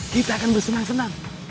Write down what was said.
kita akan bersenang senang